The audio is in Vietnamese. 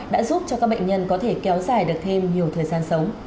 đã giúp cho các bệnh nhân có thể kéo dài được thêm nhiều thời gian sống